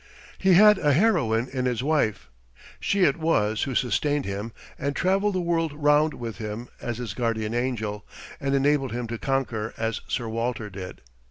He had a heroine in his wife. She it was who sustained him and traveled the world round with him as his guardian angel, and enabled him to conquer as Sir Walter did.